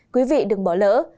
quý vị đừng bỏ lỡ